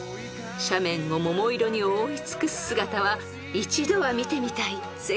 ［斜面を桃色に覆い尽くす姿は一度は見てみたい絶景です］